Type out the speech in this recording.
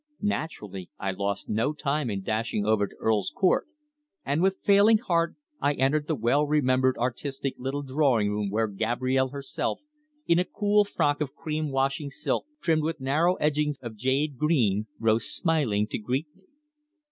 Naturally I lost no time in dashing over to Earl's Court, and with failing heart I entered the well remembered artistic little drawing room where Gabrielle herself, in a cool frock of cream washing silk trimmed with narrow edgings of jade green, rose smiling to greet me.